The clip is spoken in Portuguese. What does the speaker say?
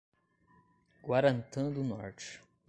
Guarantã do Norte